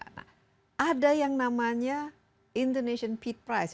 nah ada yang namanya indonesian feed price